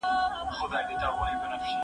هغه وويل چي کتابتوني کار مهم دي!.